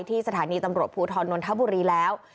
ที่สถานีตำรวจภูทรนนทบุรีแล้ว